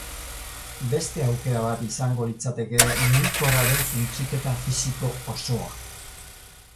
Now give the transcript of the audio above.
Beste aukera bat izango litzateke mugikorraren suntsiketa fisiko osoa.